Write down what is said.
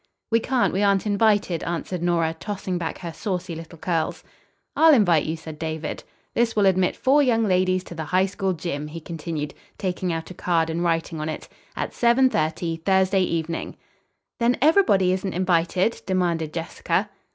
"We can't. We aren't invited," answered Nora, tossing back her saucy little curls. "I'll invite you," said David. "This will admit four young ladies to the High School gym.," he continued, taking out a card and writing on it, "At 7.30 Thursday evening." "Then everybody isn't invited?" demanded Jessica.